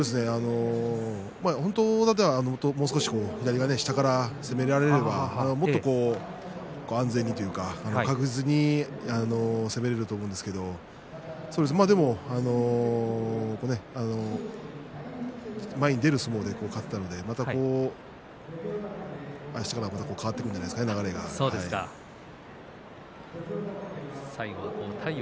本当だったら左が下から攻められれば、もっと安全にというか攻められると思うんですけれど前に出る相撲で勝ったのであしたから変わってくるんじゃないでしょうかね内容が。